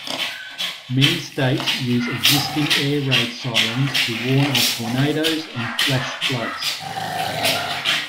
Many states use existing air raid sirens to warn of tornadoes and flash floods.